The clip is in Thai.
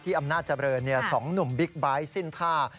อำนาจเจริญ๒หนุ่มบิ๊กไบท์สิ้นท่า